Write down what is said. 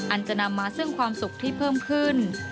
อันจะนำมาซึ่งความสุขที่เพิ่มขึ้น